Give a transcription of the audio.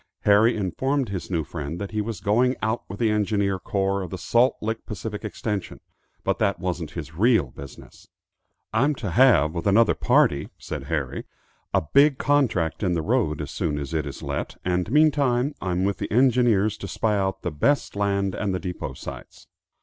Harry informed his new friend that he was going out with the engineer corps of the Salt Lick Pacific Extension, but that wasn't his real business. "I'm to have, with another party," said Harry, "a big contract in the road, as soon as it is let; and, meantime, I'm with the engineers to spy out the best land and the depot sites."